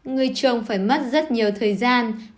người trồng phải mất rất nhiều thời gian